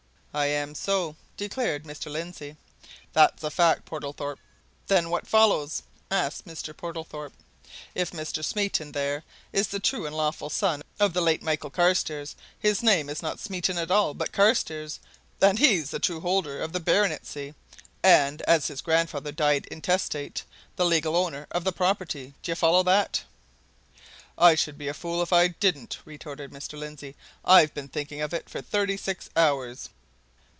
"I am so!" declared Mr. Lindsey. "That's a fact, Portlethorpe." "Then what follows?" asked Mr. Portlethorpe. "If Mr. Smeaton there is the true and lawful son of the late Michael Carstairs, his name is not Smeaton at all, but Carstairs, and he's the true holder of the baronetcy, and, as his grandfather died intestate, the legal owner of the property! D'you follow that?" "I should be a fool if I didn't!" retorted Mr. Lindsey. "I've been thinking of it for thirty six hours."